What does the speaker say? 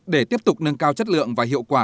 để tiếp tục nâng cao chất lượng và hiệu quả